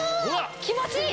気持ちいい！